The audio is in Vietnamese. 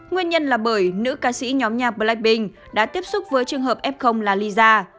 nguyên nhân là bởi nữ ca sĩ nhóm nhạc blackpink đã tiếp xúc với trường hợp f là lisa